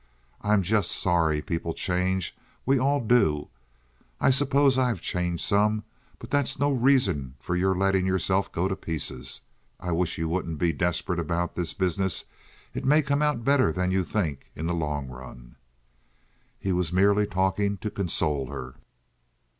I'm just sorry people change—we all do. I suppose I've changed some, but that's no reason for your letting yourself go to pieces. I wish you wouldn't be desperate about this business. It may come out better than you think in the long run." He was merely talking to console her.